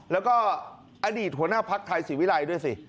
และก็อดีตหัวหน้าพันธ์ไทยศิวิรัยด้วยสิ